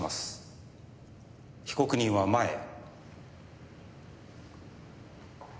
被告人は前へ。